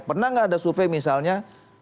pernah nggak ada survei misalnya